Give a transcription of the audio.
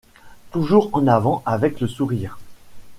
Toujours en avant avec le sourire